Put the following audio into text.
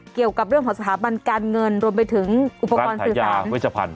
เกี่ยวกับเรื่องของสถาบันการเงินรวมไปถึงอุปกรณ์สื่อสารเวชพันธ